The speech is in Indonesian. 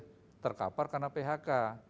tidak boleh terkapar karena phk